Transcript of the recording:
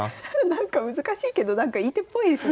なんか難しいけどなんかいい手っぽいですね。